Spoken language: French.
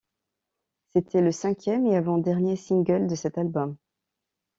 C'était le cinquième et avant-dernier single de cet album.